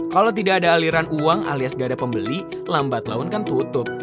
kalau tidak ada aliran uang alias dada pembeli lambat laun kan tutup